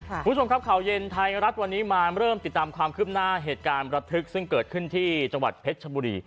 คุณผู้ชมครับข่าวเย็นไทยรัฐวันนี้มาเริ่มติดตามความคืบหน้าเหตุการณ์ประทึกซึ่งเกิดขึ้นที่จังหวัดเพชรชบุรี